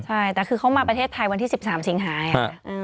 ใช่แต่คือเขามาประเทศไทยวันที่๑๓สิงหาไง